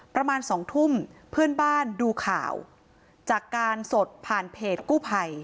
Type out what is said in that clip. ประมาณสองทุ่มเพื่อนบ้านดูข่าวจากการสดผ่านเพจกู้ภัย